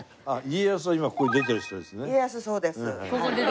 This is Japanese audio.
家康は今ここに出てる人ですね。